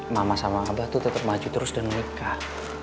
mama sama abah itu tetap maju terus dan menikah